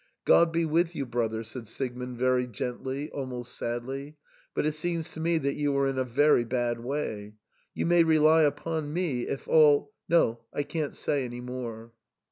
"God be with you, brother," said Siegmund very gently, almost sadly, " but it seems to me that you are in a very bad way. You may rely upon me, if all — No, I can't say any more."